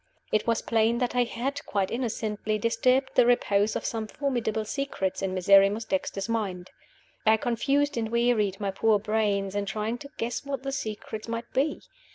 It was plain that I had (quite innocently) disturbed the repose of some formidable secrets in Miserrimus Dexter's mind. I confused and wearied my poor brains in trying to guess what the secrets might be.